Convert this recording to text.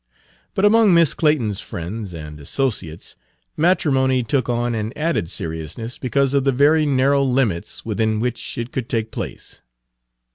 But among Miss Clayton's friends and associates matrimony took on an added seriousness because of the very narrow limits within which it could take place.